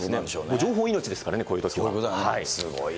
情報命ですからね、こういうすごいね。